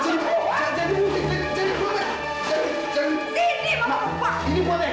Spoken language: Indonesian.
jangan mama mau buang